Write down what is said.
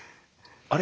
あれ？